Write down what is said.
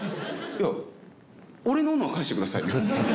いや俺の斧は返してくださいよ。